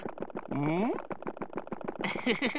うん？